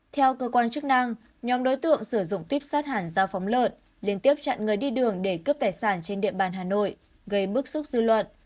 theo cơ quan chức năng nhóm đối tượng sử dụng tuyếp sát hẳn giao phóng lợn liên tiếp chặn người đi đường để cướp tài sản trên địa bàn hà nội gây bức xúc dư luận